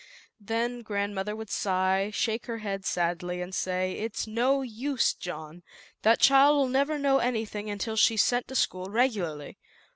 Then grandmother would sigh, shake her head sadly and say, "Its no use, John, that child'll never know anything until she is sent to school regularly.